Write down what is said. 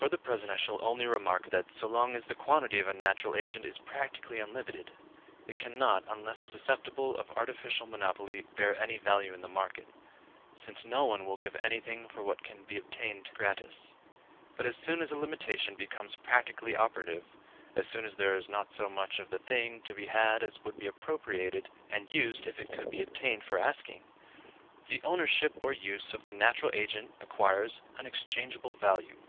For the present I shall only remark that, so long as the quantity of a natural agent is practically unlimited, it can not, unless susceptible of artificial monopoly, bear any value in the market, since no one will give anything for what can be obtained gratis. But as soon as a limitation becomes practically operative—as soon as there is not so much of the thing to be had as would be appropriated and used if it could be obtained for asking—the ownership or use of the natural agent acquires an exchangeable value.